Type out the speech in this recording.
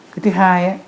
cái thứ hai